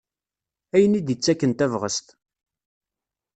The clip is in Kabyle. Ayen i d-ittaken tabɣest.